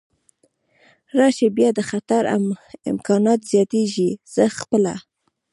راشي، بیا د خطر امکانات زیاتېږي، زه خپله.